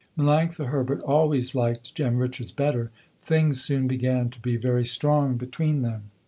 Melanctha Herbert always liked Jem Richards better. Things soon began to be very strong between them.